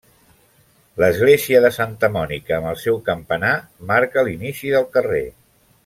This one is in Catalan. L'església de Santa Mònica, amb el seu campanar, marca l'inici del carrer.